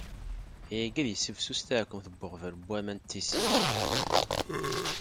Ayagi ad yessifsus taɛkkemt n uɣbel n waman n tissit.